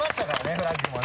フラッグもね。